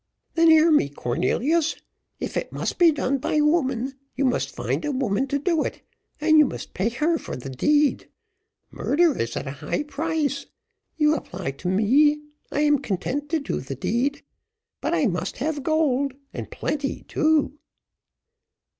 "Then hear me, Cornelius; if it must be done by woman, you must find a woman to do it, and you must pay her for the deed. Murder is at a high price. You apply to me I am content to do the deed; but I must have gold and plenty too."